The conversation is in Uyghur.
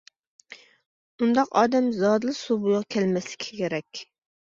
ئۇنداق ئادەم زادىلا سۇ بويىغا كەلمەسلىكى كېرەك.